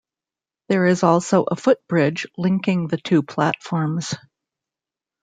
There is also a footbridge linking the two platforms.